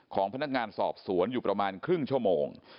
ของพนักงานสอบสวนอยู่ประมาณครึ่งชั่วโมง